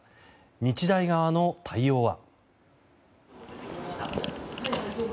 日大側の対応は。